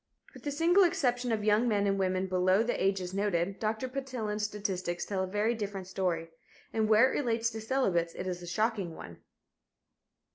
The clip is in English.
With the single exception of young men and women below the ages noted, Dr. Bertillon's statistics tell a very different story. And where it relates to celibates, it is a shocking one.